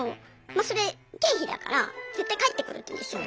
それ経費だから絶対返ってくるって言うんですよ。